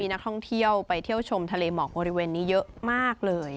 นักท่องเที่ยวไปเที่ยวชมทะเลหมอกบริเวณนี้เยอะมากเลย